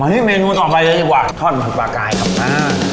นี่เมนูต่อไปเลยดีกว่าทอดมันปลากายครับอ่า